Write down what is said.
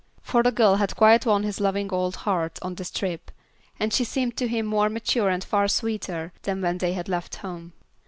For the girl had quite won his loving old heart on this trip, and she seemed to him more mature and far sweeter than when they had left home.